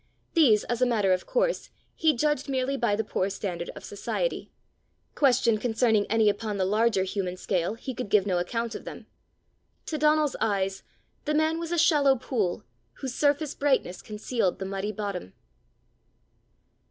These, as a matter of course, he judged merely by the poor standard of society: questioned concerning any upon the larger human scale, he could give no account of them. To Donal's eyes, the man was a shallow pool whose surface brightness concealed the muddy bottom.